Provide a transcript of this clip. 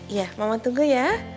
iya mama tunggu ya